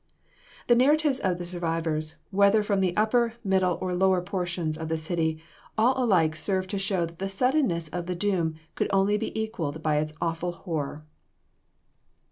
The narratives of the survivors, whether from the upper, middle, or lower portions of the city, all alike serve to show that the suddenness of the doom could only be equalled by its awful horror.